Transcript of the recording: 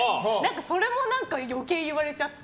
それも何か余計言われちゃって。